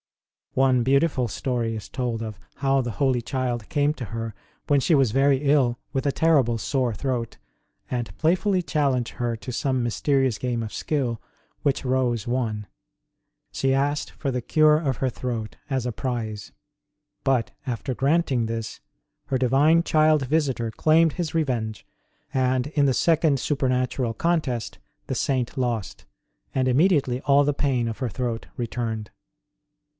One beautiful story is told of how the Holy Child came to her when she was very ill with a terrible sore throat, and playfully challenged her to some mysterious game of skill, which Rose won. She asked for the cure of her throat as a 154 ST ROSE OF LIMA prize ; but, after granting this, her Divine Child visitor claimed His revenge, and in the second supernatural contest the Saint lost, and immedi ately all the pain of her throat returned.